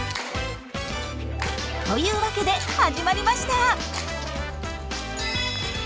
というわけで始まりました！